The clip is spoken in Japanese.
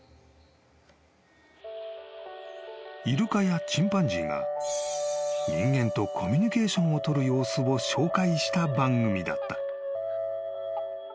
［イルカやチンパンジーが人間とコミュニケーションを取る様子を紹介した番組だった］